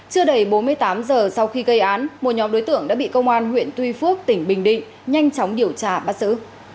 chưa đầy bốn mươi tám giờ sau khi gây án một nhóm đối tượng đã bị công an huyện tuy phước tỉnh bình định nhanh chóng điều tra bắt giữ